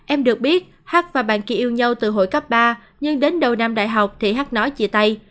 em được biết h và bạn kia yêu nhau từ hồi cấp ba nhưng đến đầu năm đại học thì h nói chia tay